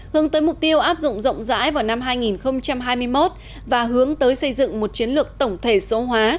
hướng tới mục tiêu áp dụng rộng rãi vào năm hai nghìn hai mươi một và hướng tới xây dựng một chiến lược tổng thể số hóa